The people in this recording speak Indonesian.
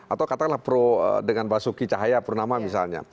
atau katakanlah pro dengan basuki cahaya purnama misalnya